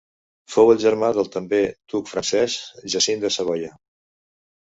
Fou el germà del també duc Francesc Jacint de Savoia.